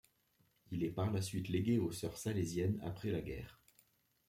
Il est par la suite légué aux Sœurs Salésiennes après la guerre.